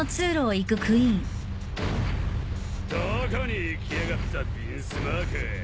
どこに行きやがったヴィンスモーク